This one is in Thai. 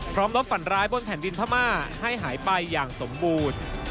ลบฝันร้ายบนแผ่นดินพม่าให้หายไปอย่างสมบูรณ์